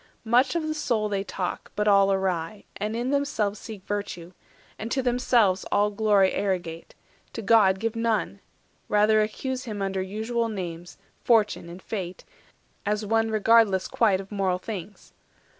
Much of the Soul they talk, but all awry; And in themselves seek virtue; and to themselves All glory arrogate, to God give none; Rather accuse him under usual names, Fortune and Fate, as one regardless quite Of mortal things.